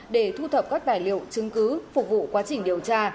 để thu thập các tài liệu chứng cứ phục vụ quá trình điều tra